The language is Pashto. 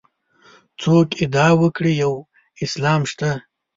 څوک ادعا وکړي یو اسلام شته.